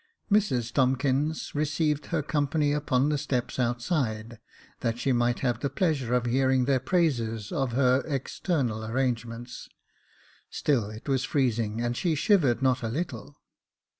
Mrs Tomkins received her company upon the steps outside, that she might have the pleasure of hearing their praises of her external arrangements ; still it was freezing, and she shivered not a little.